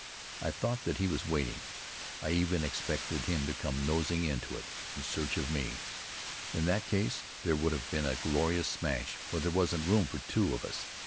I thought that he was waiting. I even expected him to come nosing into it, in search of me. In that case there would have been a glorious smash, for there wasn't room for two of us.